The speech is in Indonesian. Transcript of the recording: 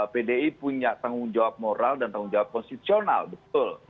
pdi punya tanggung jawab moral dan tanggung jawab konstitusional betul